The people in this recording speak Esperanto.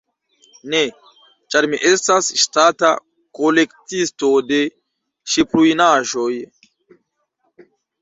Ne, ĉar mi estas ŝtata kolektisto de ŝipruinaĵoj.